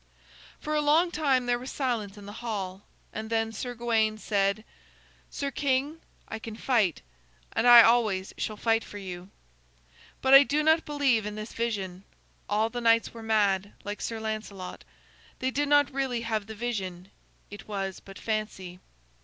For a long time there was silence in the hall, and then Sir Gawain said: "Sir king, I can fight, and I always shall fight for you. But I do not believe in this vision. All the knights were mad, like Sir Lancelot. They did not really have the vision; it was but fancy."